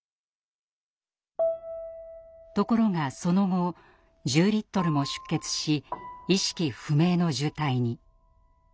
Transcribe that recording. ところがその後１０リットルも出血し意識不明の重体に。